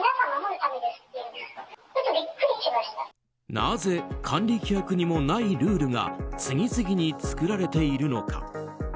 なぜ管理規約にもないルールが次々に作られているのか？